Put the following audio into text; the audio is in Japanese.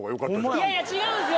いやいや違うんすよ！